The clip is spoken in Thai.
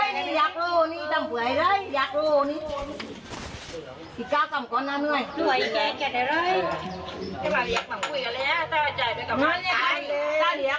แล้วก็มาเหลียกก้องกูยอ่ะเร้อต้องจ่ายไปกับท้าเหลียก